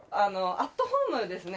アットホームですね